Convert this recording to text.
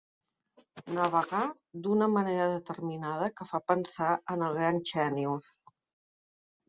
Navegar d'una manera determinada que fa pensar en el gran Xènius.